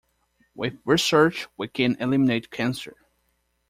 With research we can eliminate cancer.